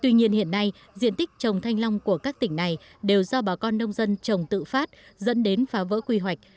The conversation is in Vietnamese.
tuy nhiên hiện nay diện tích trồng thanh long của các tỉnh này đều do bà con nông dân trồng tự phát dẫn đến phá vỡ quy hoạch